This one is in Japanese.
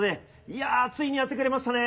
いやぁついにやってくれましたね。